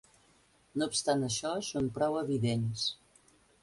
No obstant això, són prou evidents.